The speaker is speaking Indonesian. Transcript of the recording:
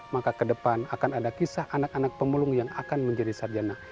maka ke depan akan ada kisah anak anak pemulung yang akan menjadi sarjana